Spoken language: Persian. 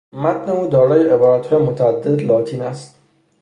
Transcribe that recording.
متن او دارای عبارت های متعدد لاتین است